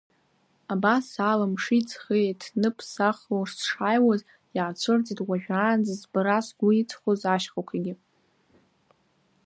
Абасала мши-ҵхи еиҭныԥсахло сшааиуаз, иаацәырҵит уажәраанӡа збара сгәы иҵхоз ашьхақәагьы.